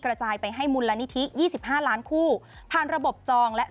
กระจายไปให้มูลนิธิยี่สิบห้าล้านคู่ผ่านระบบจองและ